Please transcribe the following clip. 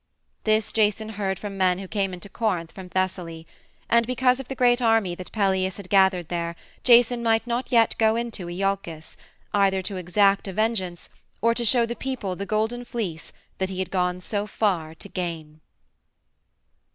This Jason heard from men who came into Corinth from Thessaly. And because of the great army that Pelias had gathered there, Jason might not yet go into Iolcus, either to exact a vengeance, or to show the people THE GOLDEN FLEECE that he had gone so far to gain.